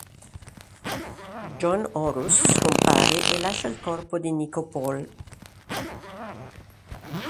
John-Horus scompare e lascia il corpo di Nikopol.